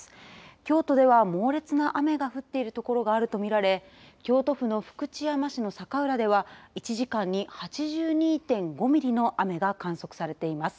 京都では猛烈な雨が降っているところがあると見られ京都府の福知山市の坂浦では１時間に８２．５ミリの雨が観測されています。